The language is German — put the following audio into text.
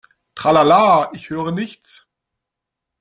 Tralala, ich höre nichts!